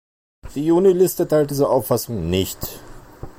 Die Juniliste teilt diese Auffassung nicht.